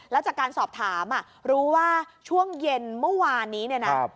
แล้วจากการสอบถามรู้ว่าช่วงเย็นเมื่อวานนี้เนี่ยนะ